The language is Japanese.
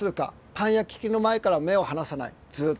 パン焼き器の前から目を離さないずっと。